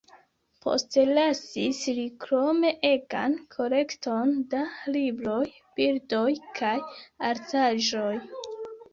Postlasis li krome egan kolekton da libroj, bildoj kaj artaĵoj.